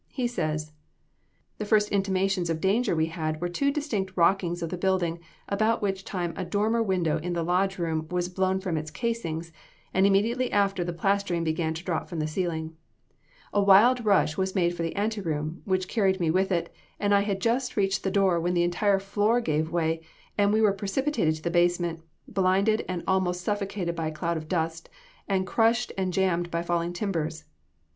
He says: "The first intimations of danger we had were two distinct rockings of the building, about which time a dormer window in the lodge room was blown from its casings, and immediately after the plastering began to drop from the ceiling. A wild rush was made for the ante room, which carried me with it, and I had just reached the door when [Illustration: MAIN STREET, BETWEEN ELEVENTH AND TWELFTH, LOUISVILLE.] the entire floor gave way, and we were precipitated to the basement, blinded and almost suffocated by a cloud of dust, and crushed and jammed by falling timbers.